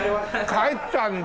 帰ったんだ。